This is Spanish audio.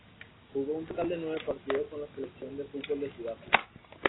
Jugó un total de nueve partidos con la selección de fútbol de Sudáfrica.